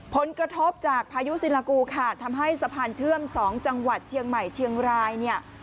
ผลกระทบจากพายุศิลากูค่ะทำให้สะพานเชื่อม๒จังหวัดเชียงใหม่เชียงรายเนี่ย